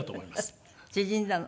縮んだの？